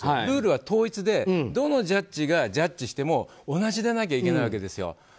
ルールは統一でどのジャッジがジャッジしても同じでなきゃいけないわけですよ。